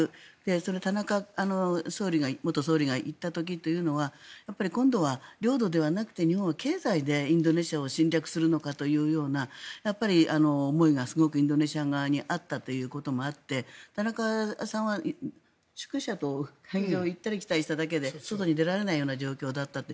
田中元総理が行った時というのはやはり今度は領土ではなくて日本は経済でインドネシアを侵略するのかというようなやっぱり、思いがすごくインドネシア側にあったということもあって田中さんは宿舎と行ったり来たりしただけで外に出られないような状況だったって。